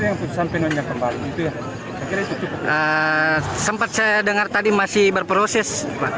yang terakhir yang kembali sempat saya dengar tadi masih berproses